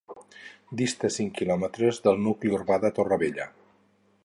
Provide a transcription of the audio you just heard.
Dista a cinc quilòmetres del nucli urbà de Torrevella.